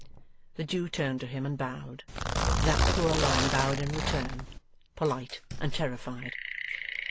The Jew turned to him and bowed. That poor lamb bowed in return; polite, and terrified.